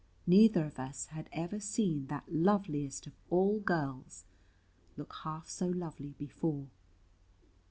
Neither of us had ever seen that loveliest of all girls look half so lovely before.